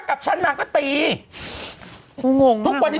ก็จัดการอังกฎี